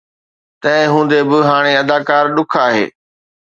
تنهن هوندي به، هاڻي اداڪار ڏک آهي